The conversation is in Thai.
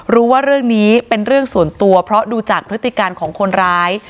รู้ว่าเรื่องนี้เป็นเรื่องส่วนตัวเพราะดูจากพฤติการของคนร้าย